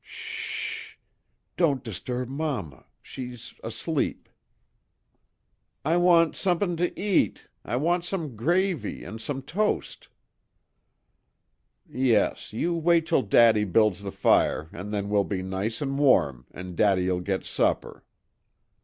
"S h s h, don't disturb mamma. She's asleep." "I want sumpin' to eat. I want some gravy and some toast." "Yes, you wait till daddy builds the fire an' then we'll be nice an' warm, an' daddy'll get supper."